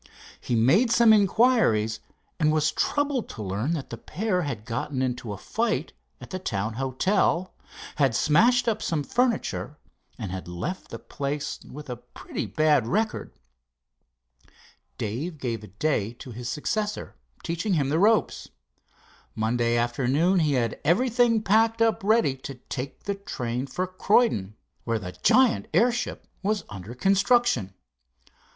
He made some inquiries, and was troubled to learn that the pair had gotten into a fight at the town hotel, had smashed up some furniture, and had left the place with a pretty bad record. Dave gave a day to his successor, teaching him the ropes. Monday afternoon he had everything packed up ready to take the train for Croydon, where the giant airship was under construction.